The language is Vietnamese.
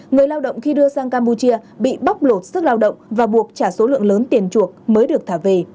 người lao động khi đưa sang campuchia bị bóc lột sức lao động và buộc trả số lượng lớn tiền chuộc mới được thả về